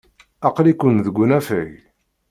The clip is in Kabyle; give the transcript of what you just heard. Aql-iken deg unafag.